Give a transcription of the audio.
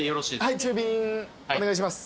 はい中瓶お願いします。